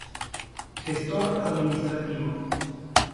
Gestor Administrativo.